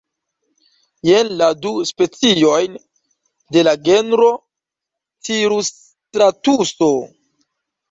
Jen la du speciojn de la genro cirusstratuso.